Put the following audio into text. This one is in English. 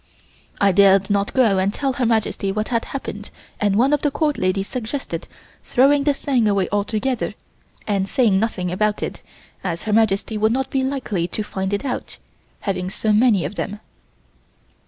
I dared not go and tell Her Majesty what had happened and one of the Court ladies suggested throwing the thing away altogether and saying nothing about it as Her Majesty would not be likely to find it out, having so many of them.